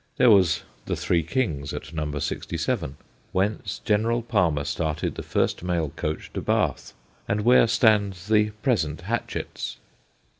There was ' The Three Kings ' at No. 67, whence General Palmer started the first mail coach to Bath, and where stands the present Hatchett's.